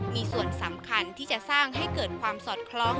มีส่วนสำคัญที่จะสร้างให้เกิดความสอดคล้อง